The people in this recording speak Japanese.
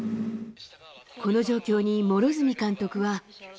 この状況に両角監督は。